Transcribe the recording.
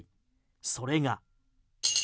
それが。